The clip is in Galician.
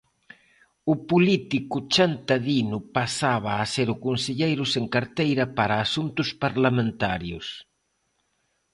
o político chantadino pasaba a ser o conselleiro sen carteira para Asuntos Parlamentarios.